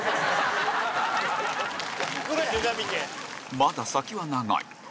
まだ先は長い山崎：